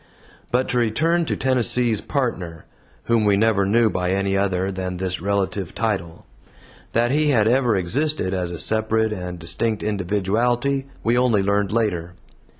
But to return to Tennessee's Partner, whom we never knew by any other than this relative title; that he had ever existed as a separate and distinct individuality we only learned later.